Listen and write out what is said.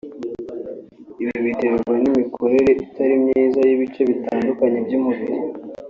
Ibi biterwa n’imikorere itari myiza y’ibice bitandukanye by’umubiri